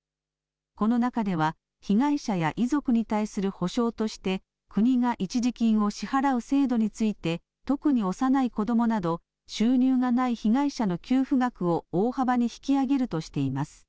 この中では被害者や遺族に対する補償として国が一時金を支払う制度について特に幼い子どもなど収入がない被害者の給付額を大幅に引き上げるとしています。